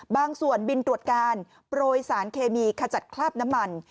บางส่วนบินตรวจการโปรยสารเคมีขจัดคราบน้ำมัน